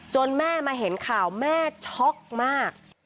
แม่มาเห็นข่าวแม่ช็อกมาก